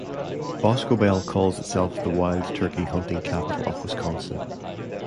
Boscobel calls itself the "wild turkey hunting capital of Wisconsin".